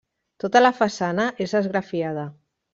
Tota la façana és esgrafiada.